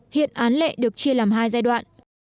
hiện án lệ được chia làm hai giai đoạn